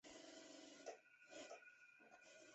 格拉摩根地区最初是以农牧业为主的地区。